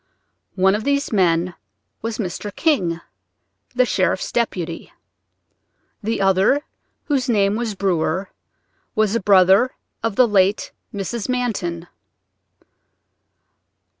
One of these men was Mr. King, the sheriff's deputy; the other, whose name was Brewer, was a brother of the late Mrs. Manton.